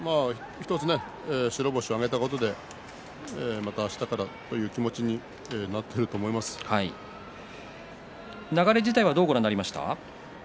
１つ白星を挙げたことでまた、あしたからという気持ちに流れ自体はどうご覧になりましたか。